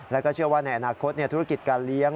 แล้วก็เชื่อว่าในอนาคตธุรกิจการเลี้ยง